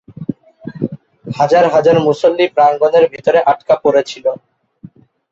হাজার হাজার মুসল্লি প্রাঙ্গণের ভিতরে আটকা পড়েছিল।